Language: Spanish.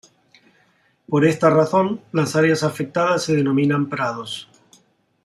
Por esta razón, las áreas afectadas se denominan prados.